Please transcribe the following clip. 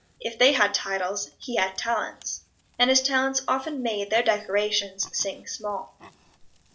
If they had titles, he had talents. And his talents often made their decorations sing small.